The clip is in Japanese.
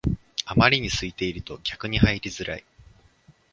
あまりに空いてると逆に入りづらい